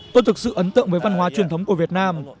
tôi thực sự ấn tượng với văn hóa truyền thống của việt nam